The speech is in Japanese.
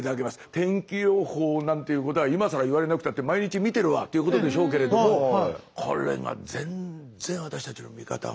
天気予報なんていうことは今更言われなくたって毎日見てるわっていうことでしょうけれどもこれがえっ！